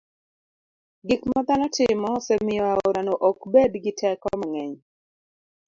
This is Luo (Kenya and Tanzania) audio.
gik ma dhano timo osemiyo aorano ok bed gi teko mang'eny.